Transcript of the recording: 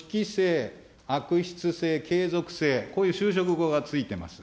組織性、悪質性、継続性、こういう修飾語が付いてます。